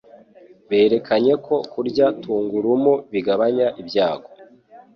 berekanye ko kurya tungurumu bigabanya ibyago